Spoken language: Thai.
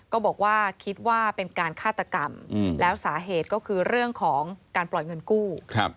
ก็บอกว่าคิดว่าเป็นการฆาตกรรมแล้วสาเหตุก็คือเรื่องของการปล่อยเงินกู้